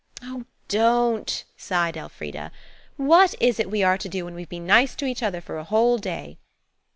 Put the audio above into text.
"Oh, don't!" sighed Elfrida; "what is it we are to do when we've been nice to each other for a whole day?"